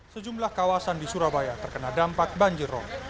sejumlah kawasan di surabaya terkena dampak banjir rom